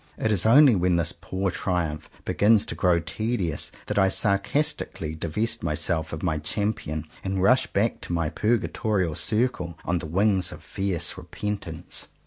It is only when this poor triumph begins to grow tedious, that I sarcastically divest myself of my champion and rush back to my purgatorial circle on the wings of fierce repentance.